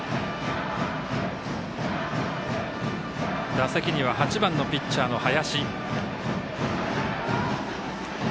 打席には８番のピッチャーの林。